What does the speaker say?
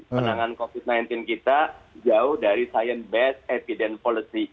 penangan covid sembilan belas kita jauh dari science based evident policy